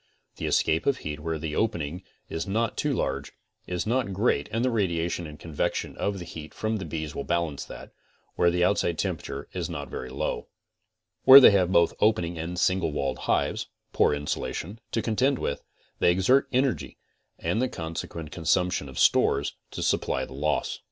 The escape of heat where the opening is not too large, is not great and the radiation and convection of heat from the bees will balance that, where outside temperature is not very low. Where they have both opening and single walled hives CONSTRUCTIVE BEEKEEPING 41 (poor insulation) to contend with, they exert energy, and the consequent consumption of stores, to supply the loss.